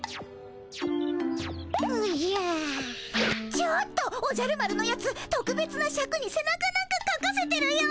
ちょっとおじゃる丸のやつとくべつなシャクにせなかなんかかかせてるよ。